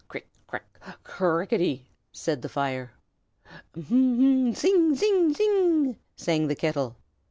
Crick! crack! cr r r r rickety!" said the fire. "Hm! hm! tsing! tsing! tsing!" sang the kettle.